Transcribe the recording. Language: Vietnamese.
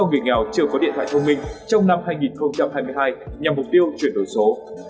vì nghèo chưa có điện thoại thông minh trong năm hai nghìn hai mươi hai nhằm mục tiêu chuyển đổi số